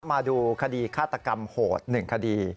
มาดูคดีฆาตกรรมโหด๑คดี